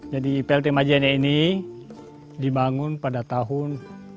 jadi iplt majene ini dibangun pada tahun dua ribu lima belas